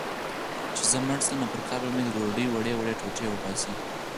چي زه مړ سم، نو پر قبر مي د ډوډۍ وړې وړې ټوټې وپاشی